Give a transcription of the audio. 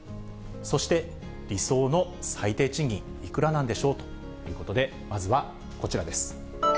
そして、理想の最低賃金、いくらなんでしょう？ということで、まずはこちらです。